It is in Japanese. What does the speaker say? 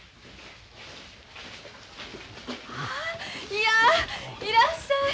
いやいらっしゃい。